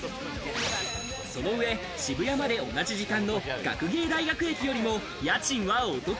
その上、渋谷まで同じ時間の学芸大学駅よりも、家賃はお得。